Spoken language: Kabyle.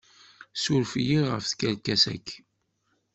Suref-iyi ɣef tkerkas-agi!